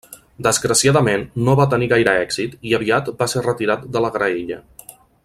Desgraciadament no va tenir gaire èxit i aviat va ser retirat de la graella.